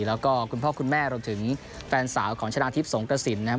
แล้วก็คุณพ่อคุณแม่รวมถึงแฟนสาวของชนะทิพย์สงกระสินนะครับ